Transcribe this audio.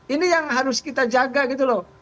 ini yang harus kita jaga gitu loh